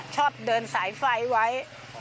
ชอบเดินสายไฟไว้